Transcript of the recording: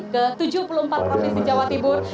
ke tujuh puluh empat provinsi jawa timur